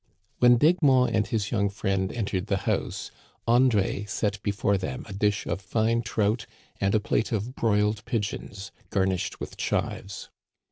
When D'Egmont and his young friend entered the house, André set before th«m a dish of fine trout and a plate of broiled pigeons, garnished with chives.